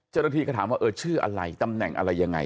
เจ้าหน้าที่ก็ถามว่าเออชื่ออะไรตำแหน่งอะไรยังไง